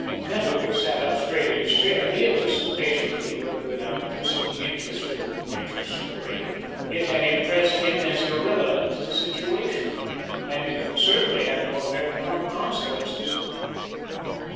Nettlewick sat up straight in his chair. He had listened patiently, but without consuming interest, to the major's story. It had impressed him as irrelevant to the situation, and it could certainly have no effect upon the consequences.